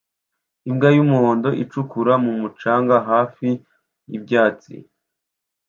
Imbwa y'umuhondo icukura mu mucanga hafi y'ibyatsi